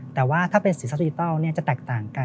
แต่ว่าถ้าเป็นสีสันดิจิทัลจะแตกต่างกัน